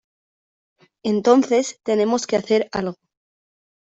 Entonces, tenemos que hacer algo.